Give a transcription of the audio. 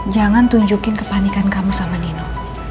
jangan tunjukin kepanikan kamu sama nino